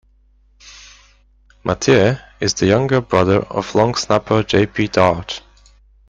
Mathieu is the younger brother of long snapper J. P. Darche.